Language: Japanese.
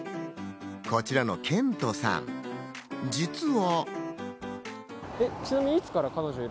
こちらの賢人さん、実は。